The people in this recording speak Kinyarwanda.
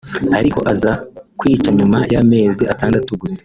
ariko aza kwicwa nyuma y’amezi atandatu gusa